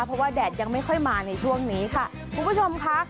เพราะว่าแดดยังไม่ค่อยมาในช่วงนี้ค่ะคุณผู้ชมค่ะ